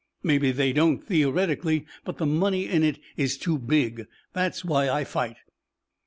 Maybe they don't, theoretically. But the money in it is too big. That's why I fight."